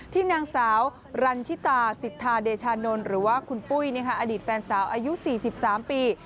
ที่นางสาวรันชิตาสิทธาเดชานนท์หรือว่าคุณปุ้ยอดีตแฟนสาวอายุ๔๓ปี